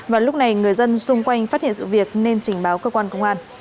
và lúc này người dân xung quanh phát hiện sự việc nên trình báo cơ quan công an